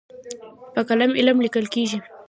په قلم علم لیکل کېږي.